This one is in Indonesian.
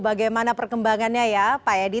bagaimana perkembangannya ya pak edi